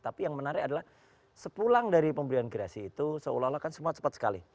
tapi yang menarik adalah sepulang dari pemberian gerasi itu seolah olah kan semua cepat sekali